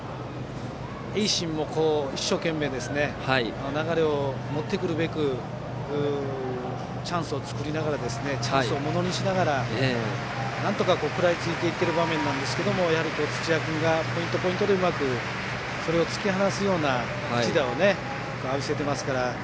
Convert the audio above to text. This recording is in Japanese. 盈進も一生懸命流れを持ってくるべくチャンスを作りながらチャンスをものにしながらなんとか食らいついていってる場面ですけどやはり土屋君がポイントでうまくそれを突き放すような一打を浴びせて。